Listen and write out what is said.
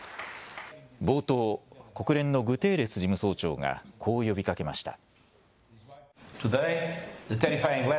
冒頭、国連のグテーレス事務総長がこう呼びかけました。